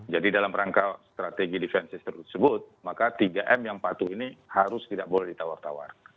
jadi dalam rangka strategi defensive tersebut maka tiga m yang patuh ini harus tidak boleh ditawar tawar